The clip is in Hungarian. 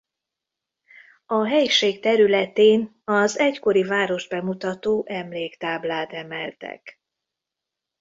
A helység területén az egykori várost bemutató emléktáblát emeltek.